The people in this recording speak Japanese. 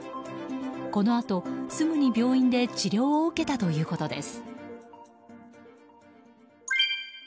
このあと、すぐに病院で治療を受けたということです。